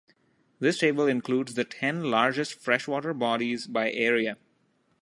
This table includes the ten largest fresh water bodies by area.